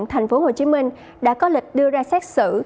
tp hcm đã có lịch đưa ra xét xử